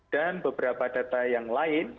dan beberapa data yang lain